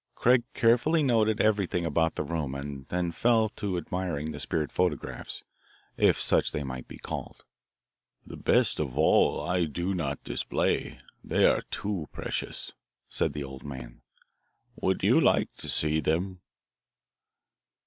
Craig carefully noted everything about the room and then fell to admiring the spirit photographs, if such they might be called. "The best of all I do not display, they are too precious," said the old man. "Would you like to see them?"